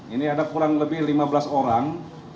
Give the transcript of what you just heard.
ini ada kurang lebih lima belas orang